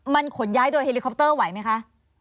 มันขนย้ายโดยเฮลิคอปเตอร์ไหวไหมคะ